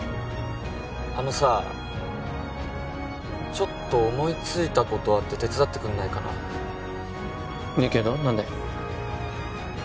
あのさちょっと思いついたことあって手伝ってくんないかな？いいけど何で？